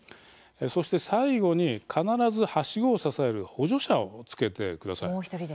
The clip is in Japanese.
そして、最後に必ずはしごを支える補助者をつけてください。